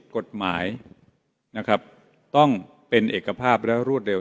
กฎหมายนะครับต้องเป็นเอกภาพและรวดเร็ว